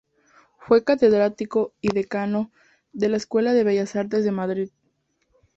Fue catedrático, y decano, de la Escuela de Bellas Artes de Madrid.